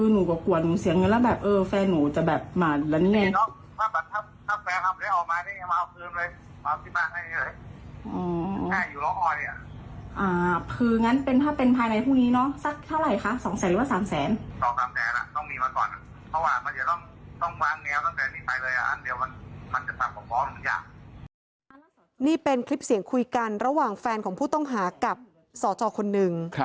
นี่เป็นคลิปเสียงคุยกันระหว่างแฟนของผู้ต้องหากับสจคนหนึ่ง